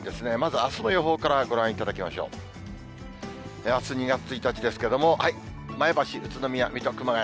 あす２月１日ですけども、前橋、宇都宮、水戸、熊谷。